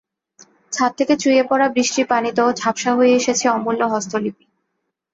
ছাদ থেকে চুইয়ে পড়া বৃষ্টির পানিতেও ঝাপসা হয়ে এসেছে অমূল্য হস্তলিপি।